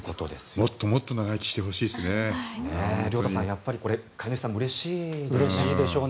もっともっと長生きしてほしいですね。